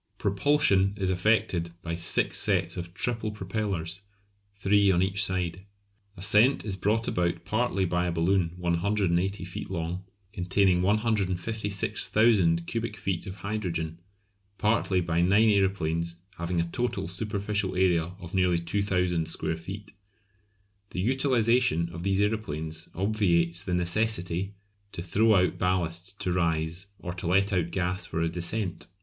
Propulsion is effected by six sets of triple propellers, three on each side. Ascent is brought about partly by a balloon 180 feet long, containing 156,000 cubic feet of hydrogen, partly by nine aeroplanes having a total superficial area of nearly 2000 square feet. The utilisation of these aeroplanes obviates the necessity to throw out ballast to rise, or to let out gas for a descent.